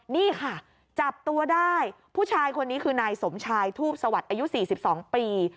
นี่ค่ะจับตัวได้ผู้ชายคนนี้คือนายโสมชายทูปสอ๔๒ปี